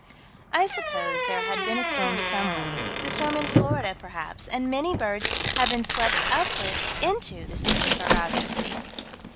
I suppose there had been a storm somewhere, the storm in Florida, perhaps, and many birds had been swept upward into the Super Sargasso Sea.